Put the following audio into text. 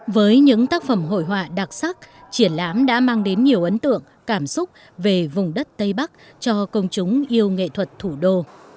với những tác phẩm hội họa đặc sắc triển lãm đã mang đến nhiều ấn tượng cảm xúc về vùng đất tây bắc cho công chúng yêu nghệ thuật thủ đô